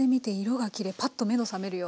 パッと目の覚めるような。